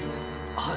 はい。